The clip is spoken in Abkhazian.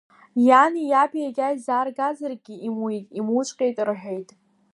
Иани иаби иагьа изааргазаргьы имуит, имуҵәҟьеит, — рҳәеит.